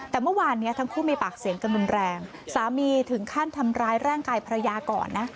แต่เมื่อวานนี้ทั้งคู่มีปากเสียงกันรุนแรงสามีถึงขั้นทำร้ายร่างกายภรรยาก่อนนะ